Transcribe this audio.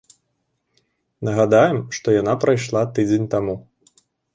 Нагадаем, што яна прайшла тыдзень таму.